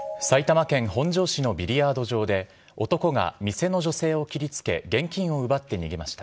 埼玉県本庄市のビリヤード場で、男が店の女性を切りつけ、現金を奪って逃げました。